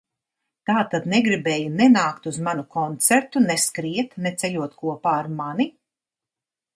Tātad negribēji ne nākt uz manu koncertu, ne skriet, ne ceļot kopā ar mani?